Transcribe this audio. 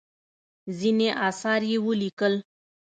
ځینې اثار یې ولیکل.